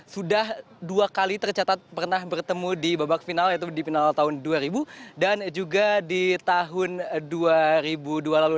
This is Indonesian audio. sudah dua kali tercatat pernah bertemu di babak final yaitu di final tahun dua ribu dan juga di tahun dua ribu dua lalu